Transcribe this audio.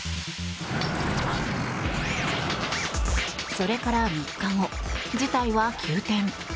それから３日後事態は急転。